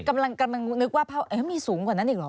กำลังนึกว่ามีสูงกว่านั้นอีกเหรอ